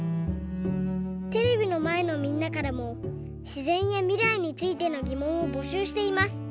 テレビのまえのみんなからもしぜんやみらいについてのぎもんをぼしゅうしています。